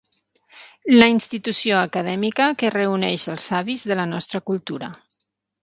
La institució acadèmica que reuneix els savis de la nostra cultura.